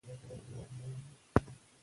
که انګازې وي نو غږ نه مري.